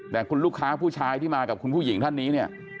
แต่คุณลูกค้าผู้ชายที่มากับคุณผู้หญิงท่านนี้เนี่ย